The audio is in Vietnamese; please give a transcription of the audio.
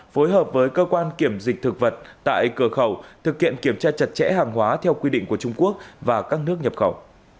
phối hợp với cơ quan kiểm dịch thực vật tại cửa khẩu thực hiện kiểm tra chặt chẽ hàng hóa theo quy định của trung quốc và các nước nhập khẩu